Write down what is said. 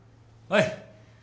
はい。